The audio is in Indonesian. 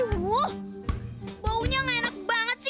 bu baunya gak enak banget sih